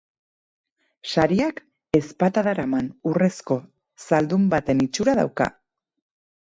Sariak ezpata daraman urrezko zaldun baten itxura dauka.